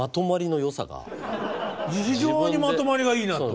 非常にまとまりがいいなと。